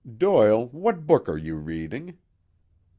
"Doyle, what book are you reading?"